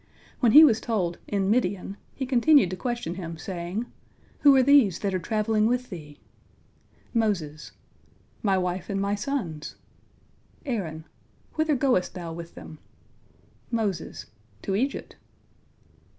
When he was told in Midian, he continued to question him, saying, "Who are these that are travelling with thee?" Moses: "My wife and my sons." Aaron: "Whither goest thou with them?" Moses: "To Egypt."